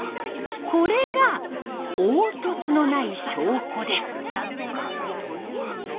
これが凹凸のない証拠です。